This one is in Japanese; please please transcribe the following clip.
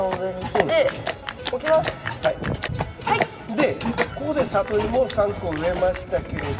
でここでサトイモを３個植えましたけれど。